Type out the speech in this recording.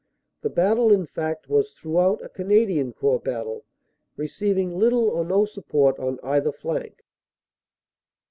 The battle, in fact, was throughout a Canadian Corps battle, receiving little or no support on either flank.